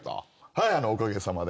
はいおかげさまで。